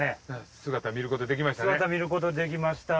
姿見ることできました。